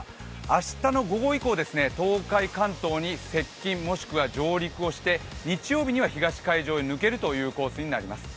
明日の午後以降、東海・関東に接近、もしくは上陸して、日曜日には東海上に抜けるというコースになります。